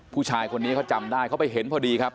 ผู้ชายคนนี้เขาจำได้เขาไปเห็นพอดีครับ